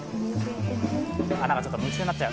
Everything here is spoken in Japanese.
なんかちょっと夢中になっちゃう。